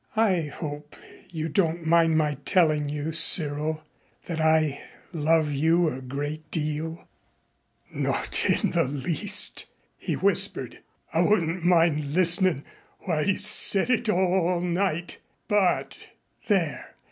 "I hope you don't mind my telling you, Cyril, that I love you a great deal." "Not in the least," he whispered. "I wouldn't mind listenin' while you said it all night. But " "There.